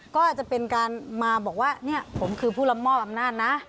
ก็อาจจะเป็นการมาบอกว่าเนี่ยผมคือผู้รับมอบอำนาจนะ